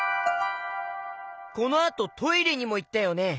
このあとトイレにもいったよね。